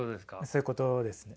そういうことですね。